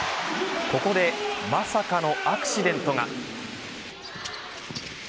ここでまさかのアクシデントが。